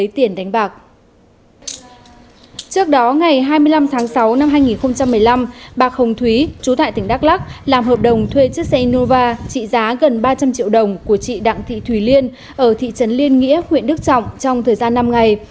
trước đó ngày hai mươi năm tháng sáu năm hai nghìn một mươi năm bà hồng thúy chú tại tỉnh đắk lắc làm hợp đồng thuê chiếc xe nova trị giá gần ba trăm linh triệu đồng của chị đặng thị thủy liên ở thị trấn liên nghĩa huyện đức trọng trong thời gian năm ngày